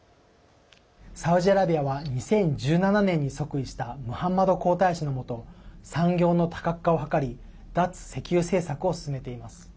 サウジアラビアは２０１７年に即位したムハンマド皇太子のもと産業の多角化を図り脱石油政策を進めています。